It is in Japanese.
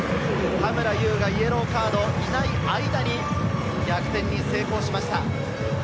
田村優がイエローカードでいない間に逆転に成功しました。